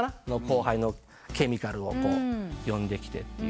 後輩のケミカルを呼んできて。